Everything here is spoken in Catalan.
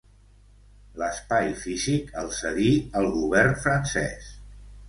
L'espai físic el cedí el govern francès.